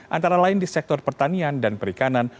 antara lain di sektor pertanian dan perikanan